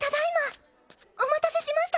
お待たせしました。